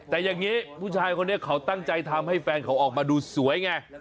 แต่อย่างนี้ผู้ชายคนนี้เขาตั้งใจทำให้แฟนเขาออกมาดูสวยไง